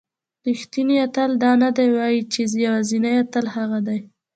رښتینی اتل دا نه وایي چې یوازینی اتل هغه دی.